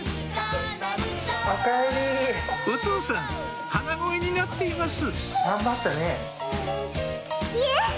お父さん鼻声になっています